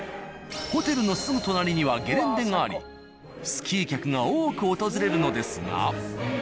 ホテルのすぐ隣にはゲレンデがありスキー客が多く訪れるのですが。